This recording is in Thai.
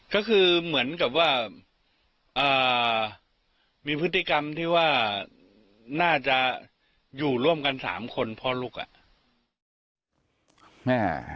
ก็คือเหมือนกับว่ามีพฤติกรรมที่ว่าน่าจะอยู่ร่วมกัน๓คนพ่อลูกอ่ะแม่